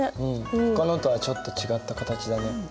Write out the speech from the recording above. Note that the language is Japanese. ほかのとはちょっと違った形だね。